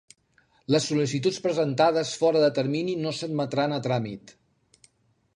Les sol·licituds presentades fora de termini no s'admetran a tràmit.